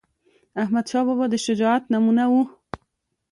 احمدشاه بابا د شجاعت نمونه وه..